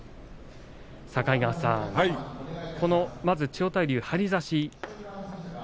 境川さん、まず千代大龍の張り差し。